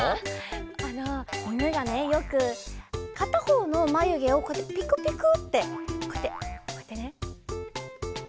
あのいぬがねよくかたほうのまゆげをこうやってピクピクってこうやってこうやってね。